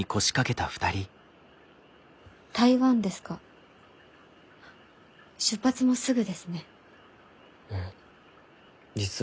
台湾ですか出発もすぐですね。